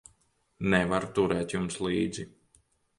Nevaru turēt jums līdzi.